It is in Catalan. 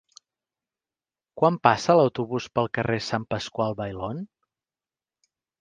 Quan passa l'autobús pel carrer Sant Pasqual Bailón?